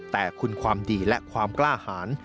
แต่คุณความดีและความกล้าหาร